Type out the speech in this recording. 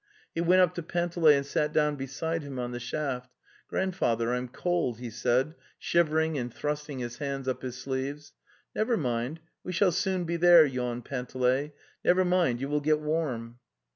'' He went up to Panteley and sat down beside him on the shaft. 'Grandfather, I'm cold," he said, shivering and thrusting his hands up his sleeves. '' Never mind, we shall soon be there," yawned Panteley. '' Never mind, you will get warm."